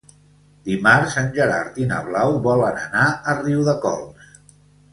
Dimarts en Gerard i na Blau volen anar a Riudecols.